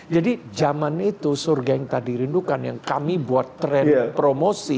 jadi zaman itu surga yang tak dirindukan yang kami buat tren promosi